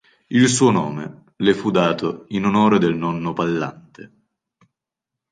Il suo nome le fu dato in onore del nonno Pallante.